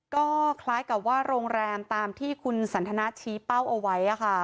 ก็คล้ายกับว่าโรงแรมตามที่คุณสันทนาชี้เป้าเอาไว้